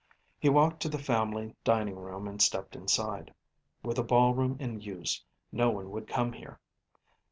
He walked to the family dining room and stepped inside. With the ballroom in use, no one would come here.